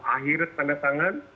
akhirnya tanda tangan